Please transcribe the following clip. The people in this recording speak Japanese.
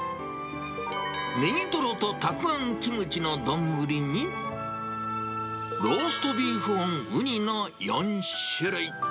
ネギトロとたくあんキムチの丼に、ローストビーフオンウニの４種類。